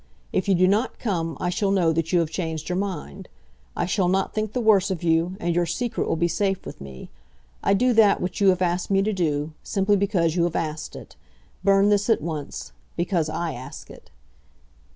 If you do not come, I shall know that you have changed your mind. I shall not think the worse of you, and your secret will be safe with me. I do that which you have asked me to do, simply because you have asked it. Burn this at once, because I ask it."